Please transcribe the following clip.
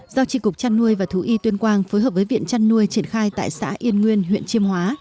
do tri cục chăn nuôi và thú y tuyên quang phối hợp với viện chăn nuôi triển khai tại xã yên nguyên huyện chiêm hóa